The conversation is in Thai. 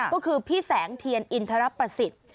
ก็คือพี่แสงเทียนอินทรประสิทธิ์